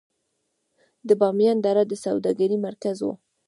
د بامیان دره د سوداګرۍ مرکز و